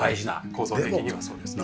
構造的にはそうですね。